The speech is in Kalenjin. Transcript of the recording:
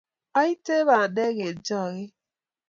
aiten bandek eng' choget